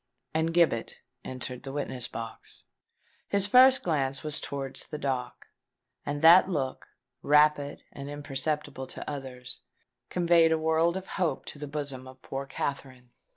And Gibbet entered the witness box. His first glance was towards the dock; and that look, rapid, and imperceptible to others, conveyed a world of hope to the bosom of poor Katherine.